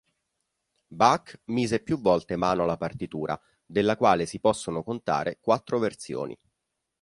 Bach mise più volte mano alla partitura, della quale si possono contare quattro versioni.